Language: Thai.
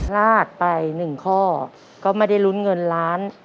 ลาดไป๑ข้อก็ไม่ได้ลุ้นเงินล้าน